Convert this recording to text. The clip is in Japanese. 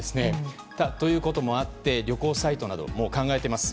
ということもあって旅行サイトなども考えています。